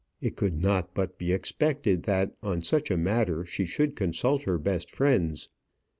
It could not but be expected that on such a matter she should consult her best friends.